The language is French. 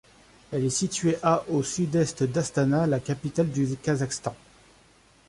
Elle est située à au sud-est d'Astana, la capitale du Kazakhstan.